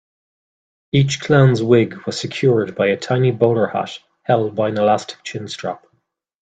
Each clown's wig was secured by a tiny bowler hat held by an elastic chin-strap.